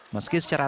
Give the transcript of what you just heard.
meski secara takdir